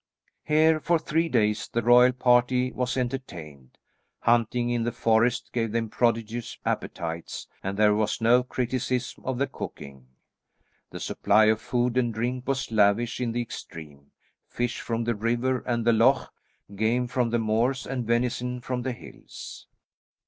Here for three days the royal party was entertained. Hunting in the forest gave them prodigious appetites, and there was no criticism of the cooking. The supply of food and drink was lavish in the extreme; fish from the river and the loch, game from the moors and venison from the hills.